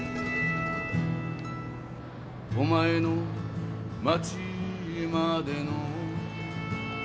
「お前の町までの」